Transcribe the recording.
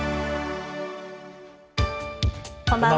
こんばんは。